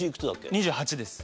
２８です。